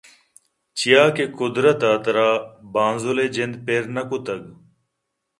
چیاکہ قُدرت ءَ ترا بانزُل ءِ جند پِر نہ کُتگ